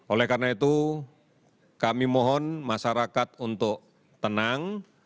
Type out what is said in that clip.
oleh karena itu kami mohon masyarakat untuk tenang